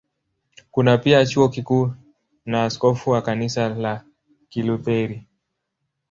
Kuna pia Chuo Kikuu na askofu wa Kanisa la Kilutheri.